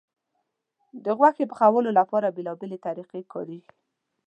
د غوښې پخولو لپاره بیلابیلې طریقې کارېږي.